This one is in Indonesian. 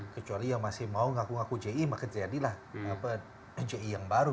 kecuali yang masih mau ngaku ngaku ji maka jadilah ji yang baru